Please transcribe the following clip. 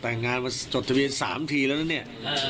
แต่งงานมาจดทะเบียน๓ทีแล้วนะเนี่ย